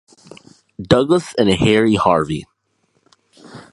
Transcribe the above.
Douglas and Harry Harvey.